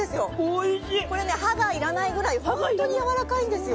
歯がいらないくらい本当にやわらかいんです。